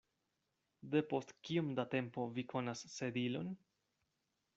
Depost kiom da tempo vi konas Sedilon?